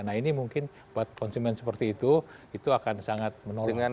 nah ini mungkin buat konsumen seperti itu itu akan sangat menolak